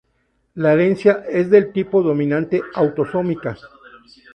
La herencia es del tipo dominante autosómica.